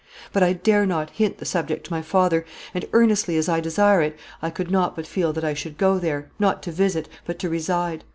But I dare not hint the subject to my father; and, earnestly as I desire it, I could not but feel that I should go there, not to visit, but to reside.